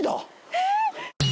えっ！？